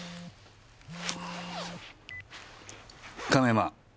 亀山。